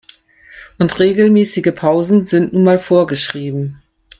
Und regelmäßige Pausen sind nun mal vorgeschrieben.